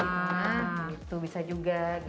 nah bisa juga gitu